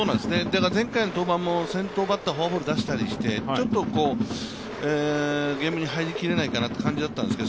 前回の登板も先頭バッター、フォアボール出したりしてちょっとゲームに入りきれないかなという感じだったんですけど